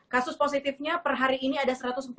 kasus positifnya per hari ini ada satu ratus empat puluh